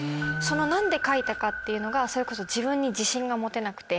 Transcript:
何で書いたかっていうのがそれこそ自分に自信が持てなくて。